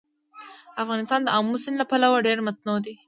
افغانستان د آمو سیند له پلوه ډېر متنوع دی.